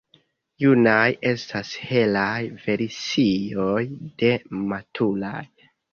Junaj estas helaj versioj de maturaj.